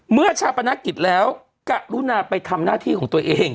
เมื่อชาวประนักกิจแล้วกะรุนาไปทำหน้าที่ของตัวเอง